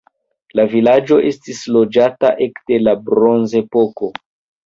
La vilaĝo estis loĝata ekde la bronzepoko.